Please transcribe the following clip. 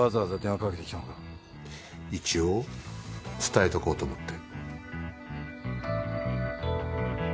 一応伝えとこうと思って。